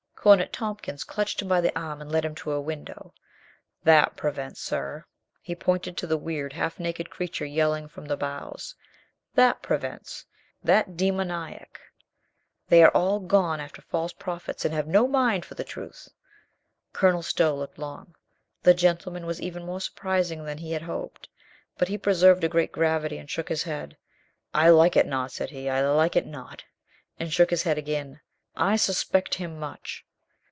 "' Cornet Tompkins clutched him by the arm and led him to a window. "That prevents, sir." He pointed to the weird, half naked creature yelling from the boughs, "That prevents. That demoniac. They are all gone after false prophets, and have no mind for the truth." Colonel Stow looked long. The gentleman was even more surprising than he had hoped. But he preserved a great gravity and shook his head. "I like it not," said he. "I like it not," and shook his head again. "I suspect him much."